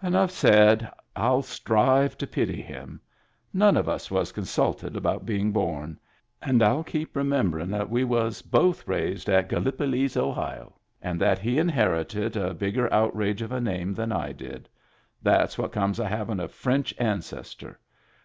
" Enough said. I'll strive to pity him. None of us was consulted about being bom. And I'll keep remembering that we was both raised at GallipoW^^, Ohio, and that he inherited a bigger Digitized by Google HAPPY TEETH 43 outrage of a name than I did. That's what comes of havin' a French ancestor.